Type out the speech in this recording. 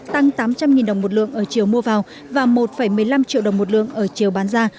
tăng tám trăm linh đồng một lượng ở chiều mua vào và một một mươi năm triệu đồng một lượng ở chiều bán ra